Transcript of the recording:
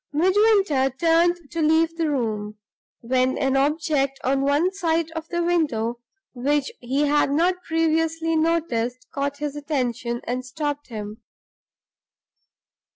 Midwinter turned to leave the room, when an object on one side of the window, which he had not previously noticed, caught his attention and stopped him.